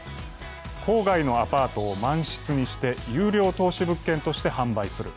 郊外のアパートを満室にして優良投資物件として販売する。